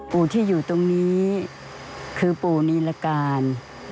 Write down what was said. ปู่ที่อยู่ตรงนี้คือปู่นีรการ